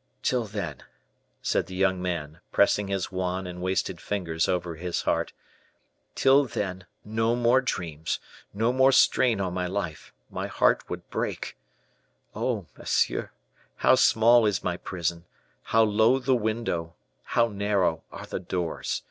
'" "Till then," said the young man, pressing his wan and wasted fingers over his heart, "till then, no more dreams, no more strain on my life my heart would break! Oh, monsieur, how small is my prison how low the window how narrow are the doors!